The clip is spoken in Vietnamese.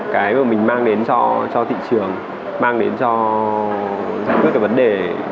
cái mà mình mang đến cho thị trường mang đến cho giải quyết cái vấn đề